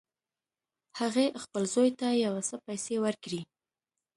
هغې خپل زوی ته یو څه پیسې ورکړې